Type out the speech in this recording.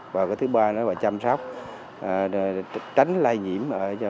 và cái thứ ba nữa là chăm sóc tránh lai nhiễm cho cộng đồng